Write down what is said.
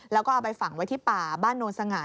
แล้วก็เอาไปฝังไว้ที่ป่าบ้านโนนสง่าย